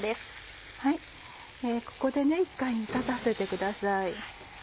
ここで一回煮立たせてください。